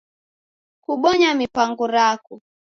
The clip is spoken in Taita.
Kubonya mipango rako.